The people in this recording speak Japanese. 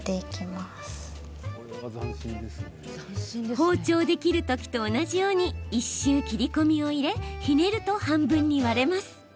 包丁で切るときと同じように１周切り込みを入れひねると半分に割れます。